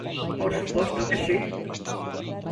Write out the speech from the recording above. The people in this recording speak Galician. ¡Por suposto que si!